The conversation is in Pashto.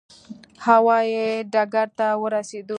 هوا یي ډګر ته ورسېدو.